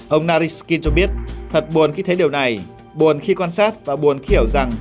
ông nariskin cho biết thật buồn khi thấy điều này buồn khi quan sát và buồn khi hiểu rằng